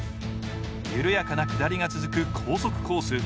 緩やかな下りが続く高速コース。